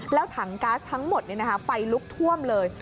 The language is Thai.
แล้วถังก๊าซทั้งหมดเนี่ยนะฮะไฟลุกท่วมเลย